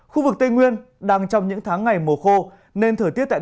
khu vực tây nguyên đang trong những tháng ngày mùa khô